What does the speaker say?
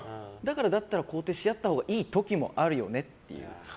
だったら肯定し合ったほうがいい時もあるよねっていう。